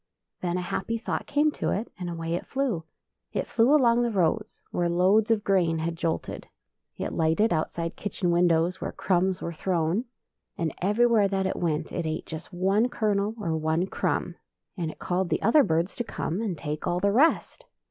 Then a happy thought came to it, and away it flew. It flew along the roads where loads of grain had jolted; it lighted outside kitchen windows where crumbs were thrown; and everywhere that it went it ate just one kernel or one crumb, and it called the other birds to come and take all the rest.